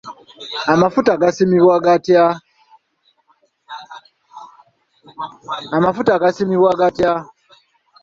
Amafuta gasimibwa gatya?